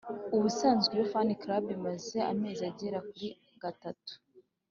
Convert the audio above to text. ubusanzwe iyo fan club imaze amezi agera kuri gatatu